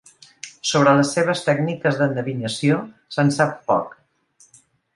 Sobre les seves tècniques d'endevinació se'n sap poc.